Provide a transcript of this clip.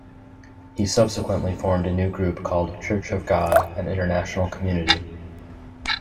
He subsequently formed a new group called Church of God, an International Community.